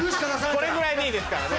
これぐらいでいいですからね。